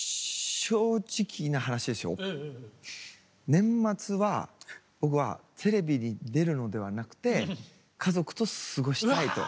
年末は僕はテレビに出るのではなくて家族と過ごしたいと。